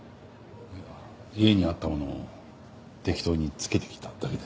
家にあったものを適当に着けてきただけです。